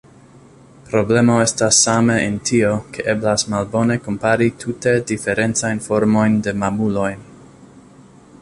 Problemo estas same en tio, ke eblas malbone kompari tute diferencajn formojn de mamuloj.